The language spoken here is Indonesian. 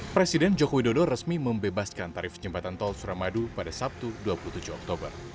presiden joko widodo resmi membebaskan tarif jembatan tol suramadu pada sabtu dua puluh tujuh oktober